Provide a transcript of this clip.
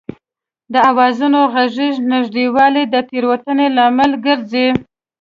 د آوازونو غږیز نږدېوالی د تېروتنې لامل ګرځي